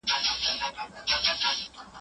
څرګنده خبره ده، چي په دې ژبنيو تعصبونو کي به